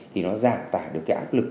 thì nó giảm tải được áp lực